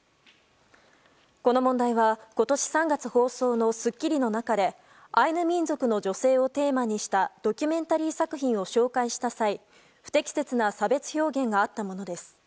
この問題は、今年３月放送の「スッキリ」の中でアイヌ民族の女性をテーマにしたドキュメンタリー作品を紹介した際、不適切な差別表現があったものです。